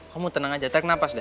kamu tenang aja tanak nafas deh